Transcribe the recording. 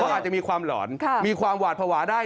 อาจจะมีความหลอนมีความหวาดภาวะได้